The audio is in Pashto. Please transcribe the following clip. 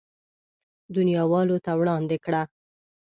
دنياوالو ته وړاندې کړه.